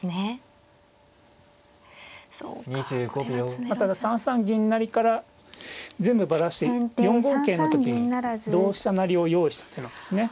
まあただ３三銀成から全部バラして４五桂の時に同飛車成を用意した手なんですね。